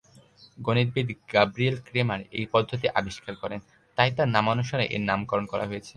গণিতবিদ Gabriel Cramer এই পদ্ধতি আবিষ্কার করেন, তাই তার নামানুসারে এর নামকরণ করা হয়েছে।